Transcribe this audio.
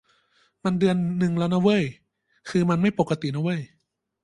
มันเดือนนึงแล้วนะเว้ย คือมันไม่ปกตินะเว้ย